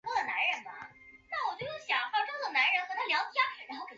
包括婆罗浮屠在内的佛教庙宇大约和印度教的湿婆神庙普兰巴南同时建造。